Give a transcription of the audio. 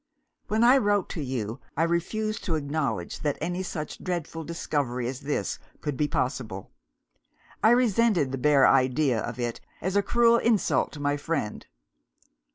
"When I wrote to you, I refused to acknowledge that any such dreadful discovery as this could be possible; I resented the bare idea of it as a cruel insult to my friend.